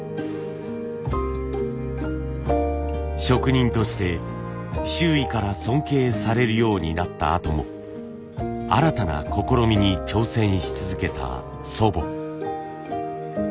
職人として周囲から尊敬されるようになったあとも新たな試みに挑戦し続けた祖母。